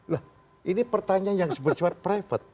lah ini pertanyaan yang sebejua private